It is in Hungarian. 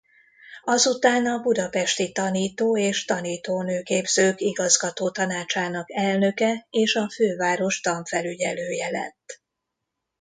Azután a budapesti tanító- és tanítónő-képzők igazgatótanácsának elnöke és a főváros tanfelügyelője lett.